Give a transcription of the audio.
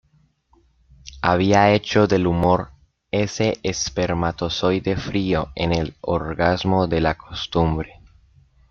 Había hecho del humor “Ese espermatozoide frío en el orgasmo de la costumbre...